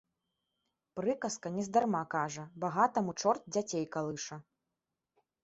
Прыказка нездарма кажа, багатаму чорт дзяцей калыша.